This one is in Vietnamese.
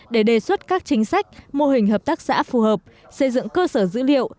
để đề xuất các chính sách mô hình hợp tác xã phù hợp xây dựng cơ sở dữ liệu